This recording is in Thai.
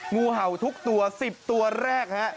งูเห่าทุกตัว๑๐ตัวแรกฮะ